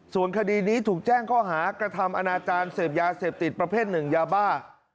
ส่วนคดีนี้ถูกแจ้งข้อหากระทำอนาจารย์เสพยาเสพติดประเภทหนึ่งยาบ้า